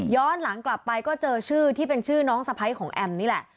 หลังกลับไปก็เจอชื่อที่เป็นชื่อน้องสะพ้ายของแอมนี่แหละ